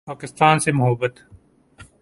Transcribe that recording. پاکستان سے محبت